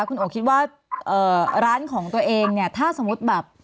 คุณโอคิดว่าร้านของตัวเองเนี่ยถ้าสมมุติแบบ